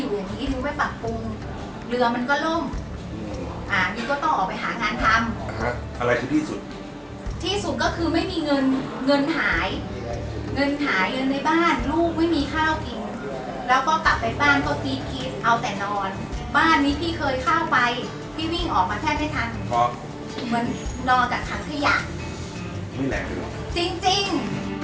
เหลือมันก็ล่มอันนี้ก็ต้องออกไปหางานทำอะไรที่ที่สุดที่สุดก็คือไม่มีเงินเงินหายเงินหายเงินในบ้านลูกไม่มีข้าวกินแล้วก็กลับไปบ้านก็กินกินเอาแต่นอนบ้านนี้พี่เคยเข้าไปพี่วิ่งออกมาแทบไม่ทันเหมือนนอนจากทางขยะไม่แหลกเลยหรอจริงจริง